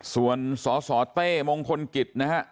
ส่วนสรตเต้มงคลกิตนะครับ